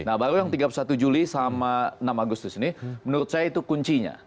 nah baru yang tiga puluh satu juli sama enam agustus ini menurut saya itu kuncinya